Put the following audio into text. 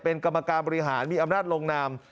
เป็นกรรมการบริหารมีอำนาจลงนาม